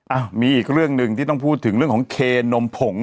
อ้าวมีอีกเรื่องหนึ่งที่ต้องพูดถึงเรื่องของเคนมผง